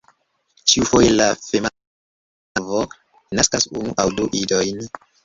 Ĉiufoje la femala cervo naskas unu aŭ du idojn.